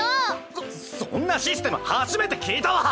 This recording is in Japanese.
そそんなシステム初めて聞いたわ！